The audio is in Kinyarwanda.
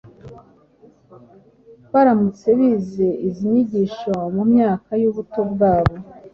baramutse bize izi nyigisho mu myaka y’ubuto bwabo!